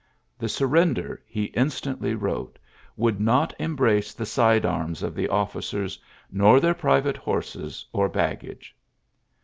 ^^The Bnder," he instantly wrote, "would .jliot embrace the side arms of the officers, MOT their private horses or baggage."